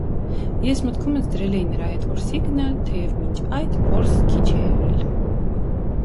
Ես մտքումս դրել էի նրա հետ որսի գնալ, թեև մինչ այդ որս քիչ էի արել: